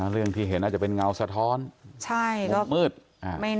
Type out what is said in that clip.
เรื่องที่เห็นอาจจะเป็นเงาสะท้อนวกมืด